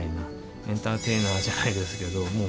エンターテイナーじゃないですけどもう